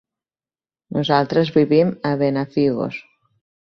Nosaltres vivim a Benafigos.